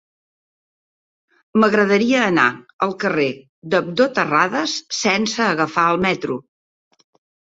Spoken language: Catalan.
M'agradaria anar al carrer d'Abdó Terradas sense agafar el metro.